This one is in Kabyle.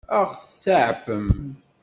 Ad ɣ-tseɛfem?